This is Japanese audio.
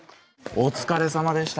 お疲れさまでした。